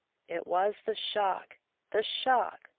"It was the shock! the shock!"